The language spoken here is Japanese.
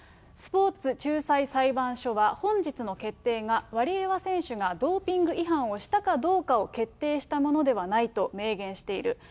スポーツ仲裁裁判所は、本日の決定がワリエワ選手がドーピング違反をしたかどうかを決定したものではないと明言している。